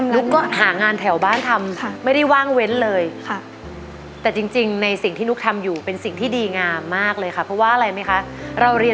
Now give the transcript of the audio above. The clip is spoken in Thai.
นุ๊กก็หางานแถวบ้านทำไม่ได้ว่างเว้นเลย